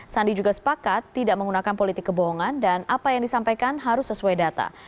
sandi juga sepakat tidak menggunakan politik kebohongan dan apa yang disampaikan harus sesuai data